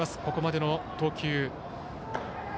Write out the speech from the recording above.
ここまでの投球。